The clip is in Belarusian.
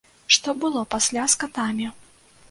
Што было пасля з катамі?